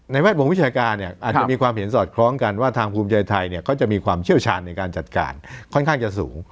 แวดวงวิชาการเนี่ยอาจจะมีความเห็นสอดคล้องกันว่าทางภูมิใจไทยเขาจะมีความเชี่ยวชาญในการจัดการค่อนข้างจะสูง